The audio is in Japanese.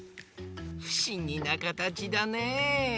ふしぎなかたちだね。